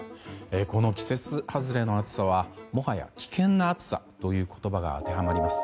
この季節外れの暑さはもはや危険な暑さという言葉が当てはまります。